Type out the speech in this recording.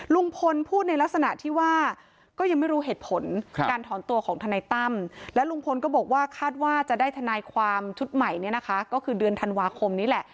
ลุงพลพูดในลักษณะที่ว่าก็ยังไม่รู้เหตุผลการถอนตัวของทนายตั้มและลุงพลก็บอกว่าคาดว่าจะได้ทนายความชุดใหม่เนี่ยนะคะก็คือเดือนธันวาคมนี้แหละ